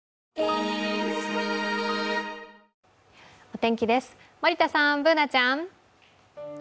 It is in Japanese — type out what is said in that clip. お天気です、森田さんＢｏｏｎａちゃん。